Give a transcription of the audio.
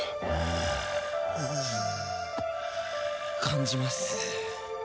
感じます。